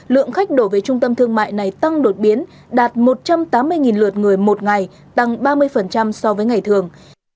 lượng khách đổ về trung tâm thương mại này tăng đột biến đạt một trăm tám mươi lượt người một ngày tăng ba mươi so với ngày thường